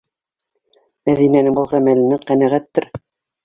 Мәҙинәнең был ғәмәленән ҡәнәғәттер...